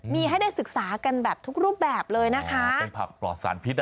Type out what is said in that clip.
มีให้ได้ศึกษากันแบบทุกรูปแบบเลยนะคะเป็นผักปลอดสารพิษอ่ะ